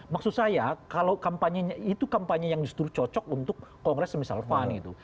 maksud saya itu kampanye yang justru cocok untuk kongres semisal pan gitu